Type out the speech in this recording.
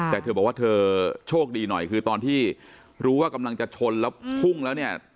แต่เธอบอกว่าเธอโชคดีหน่อยคือตอนที่รู้ว่ากำลังจะชนแล้วพุ่งแล้วเนี่ย